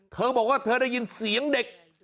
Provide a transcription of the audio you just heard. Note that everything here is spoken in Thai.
เธอบอกว่าเธอได้ยินเสียงเด็ก